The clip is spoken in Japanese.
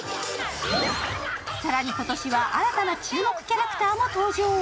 更に今年は新たな注目キャラクターも登場。